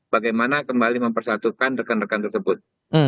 bagaimana kembali mempersatukan rekan rekan tersebut